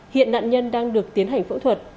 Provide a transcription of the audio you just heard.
hiện nạn nhân đang được tiến hành phẫu thuật